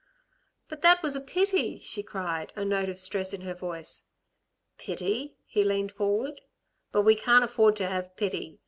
"But that was a pity!" she cried, a note of distress in her voice. "Pity?" He leaned forward. "But we can't afford to have pity.